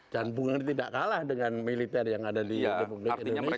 jangan punggungnya tidak kalah dengan militer yang ada di kepunggung nusantara